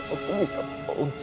aku ingin ketemu dengan dia